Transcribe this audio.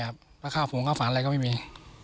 ไม่มีอ่ะประคาบผมก็ฝันอะไรก็ไม่มี